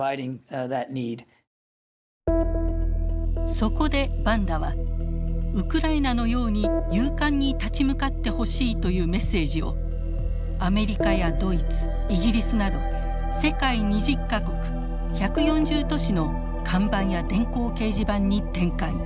そこでバンダはウクライナのように勇敢に立ち向かってほしいというメッセージをアメリカやドイツイギリスなど世界２０か国１４０都市の看板や電光掲示板に展開。